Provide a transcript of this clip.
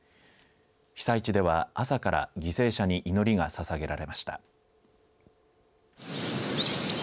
被災地では朝から犠牲者に祈りがささげられました。